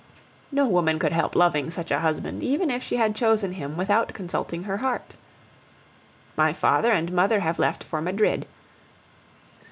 No woman could help loving such a husband even if she had chosen him without consulting her heart. My father and mother have left for Madrid.